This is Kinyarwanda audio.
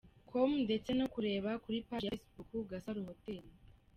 com ndetse no kureba kuri paji ya Facebook, Gasaro Hotel.